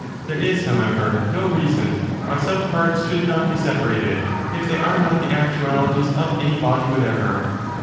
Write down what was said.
There is, however, no reason why some parts should not be separated, if they are not the actualities IO of any body whatever.